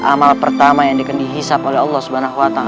amal pertama yang dihisap oleh allah swt